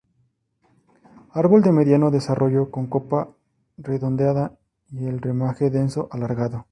Árbol de mediano desarrollo, con copa redondeada, y el ramaje denso alargado.